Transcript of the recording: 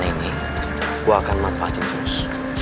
dan ini gue akan manfaatin terus